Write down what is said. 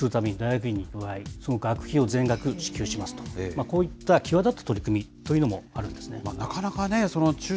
博士号を取得するために大学院に行く場合、その学費を全額支給しますと、こういった際立った取り組みというのもあるんですね。